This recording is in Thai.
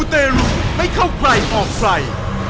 หูเตรุไม่เข้าใครออกไฟ